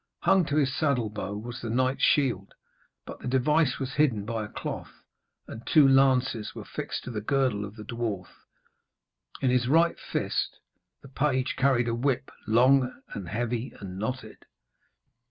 Hung to his saddle bow was the knight's shield, but the device was hidden by a cloth, and two lances were fixed to the girdle of the dwarf. In his right fist the page carried a whip, long and heavy and knotted.